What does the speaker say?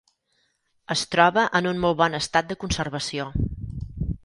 Es troba en un molt bon estat de conservació.